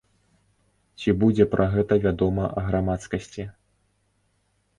Ці будзе пра гэта вядома грамадскасці?